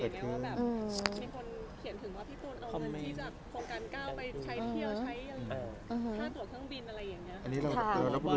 มีคนเขียนถึงว่าพี่ตุ๊นเอาเงินที่สำหรับโครงการก้าวไปใช้เที่ยว